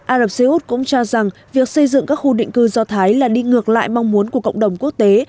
ả rập xê út cũng cho rằng việc xây dựng các khu định cư do thái là đi ngược lại mong muốn của cộng đồng quốc tế